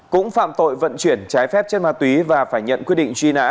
cũng phạm tội vận chuyển trái phép chất ma túy và phải nhận quyết định truy nã